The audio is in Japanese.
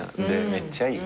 めっちゃいい。